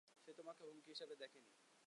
সে তোমাকে হুমকি হিসাবে দেখেনি।